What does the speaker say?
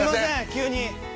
急に。